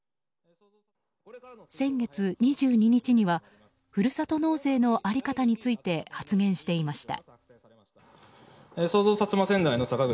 先月２２日にはふるさと納税の在り方について発言していました。